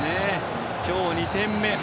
今日、２点目。